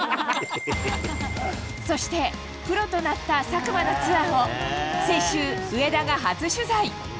そしてプロとなった佐久間のツアーを、先週、上田が初取材。